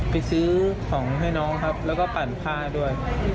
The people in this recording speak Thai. ไปซื้อของให้น้องครับแล้วก็ปั่นผ้าด้วย